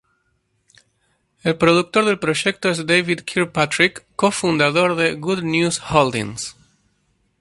El productor del proyecto es David Kirkpatrick, co-fundador de "Good News Holdings".